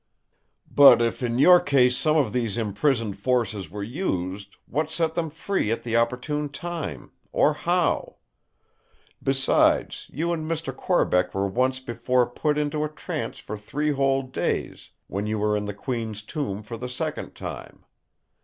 "But if in your case some of these imprisoned forces were used, what set them free at the opportune time, or how? Besides, you and Mr. Corbeck were once before put into a trance for three whole days, when you were in the Queen's tomb for the second time.